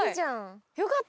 よかった！